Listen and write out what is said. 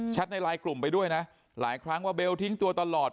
ในไลน์กลุ่มไปด้วยนะหลายครั้งว่าเบลทิ้งตัวตลอด